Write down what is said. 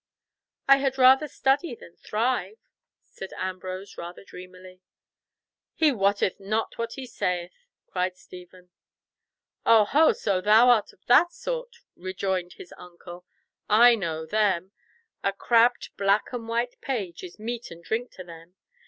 "I had rather study than thrive," said Ambrose rather dreamily. "He wotteth not what he saith," cried Stephen. "Oh ho! so thou art of that sort!" rejoined his uncle. "I know them! A crabbed black and white page is meat and drink to them!